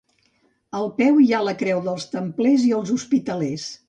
Al peu hi ha la creu dels templers i els hospitalers.